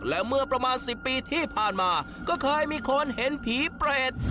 และเมื่อประมาณ๑๐ปีที่ผ่านมาก็เคยมีคนเห็นผีเปรต